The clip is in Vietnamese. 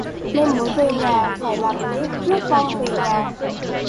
nên muốn về nhà phải làm lễ rước vong về nhà